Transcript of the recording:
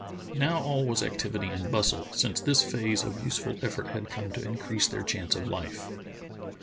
Now all was activity and bustle, since this phase of useful effort had come to increase their chance of life.